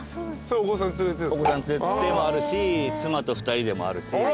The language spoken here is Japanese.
お子さん連れてもあるし妻と２人でもあるし。